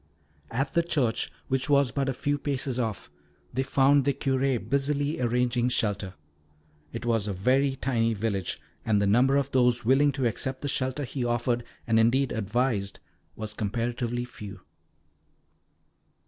At the church, which was but a few paces off, they found the Curé busy arranging shelter. It was a very tiny village, and the number of those willing to accept the shelter he offered and, indeed, advised was comparatively few.